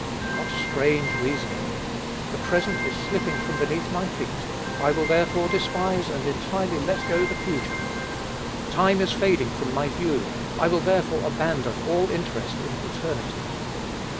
What strange reasoning! The present is slipping from beneath my feet: I will therefore despise and entirely let go the future! Time is fading from my view, I will therefore abandon all interest in eternity!